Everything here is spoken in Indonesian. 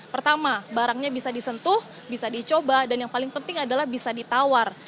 pertama barangnya bisa disentuh bisa dicoba dan yang paling penting adalah bisa ditawar